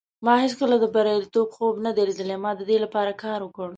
ما هیڅکله د بریالیتوب خوب نه دی لیدلی. ما د دې لپاره کار وکړ.